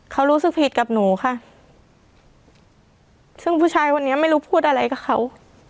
เขารู้สึกผิดกับหนูค่ะซึ่งผู้ชายคนนี้ไม่รู้พูดอะไรกับเขา